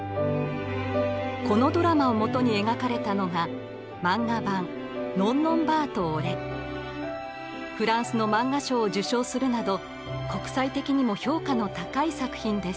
このドラマをもとに描かれたのがフランスの漫画賞を受賞するなど国際的にも評価の高い作品です。